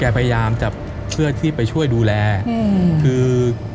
พยายามจะเพื่อที่ไปช่วยดูแลอืมคือ